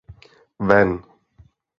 Ven!